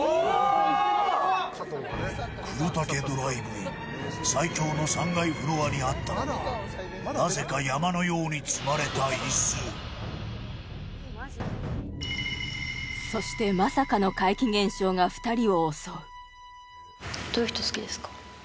玄岳ドライブイン最恐の３階フロアにあったのはなぜかそしてまさかの怪奇現象が２人を襲うどういう人好きですか？